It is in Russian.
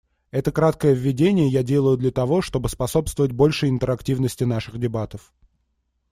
Это краткое введение я делаю для того, чтобы способствовать большей интерактивности наших дебатов.